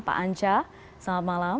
pak anca selamat malam